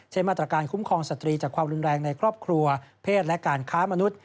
มาตรการคุ้มครองสตรีจากความรุนแรงในครอบครัวเพศและการค้ามนุษย